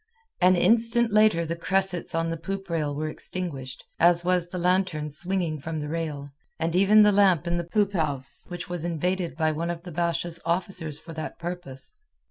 An instant later the cressets on the poop rail were extinguished, as was the lantern swinging from the rail, and even the lamp in the poop house which was invaded by one of the Basha's officers for that purpose.